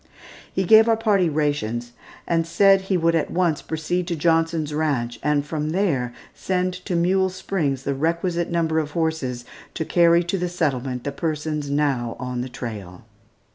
He gave our party rations, and said that he would at once proceed to Johnson's Ranch and from there send to Mule Springs the requisite number of horses to carry to the settlement the persons now on the trail.